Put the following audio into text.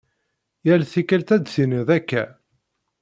Yal tikkelt, ad d-tinid akka.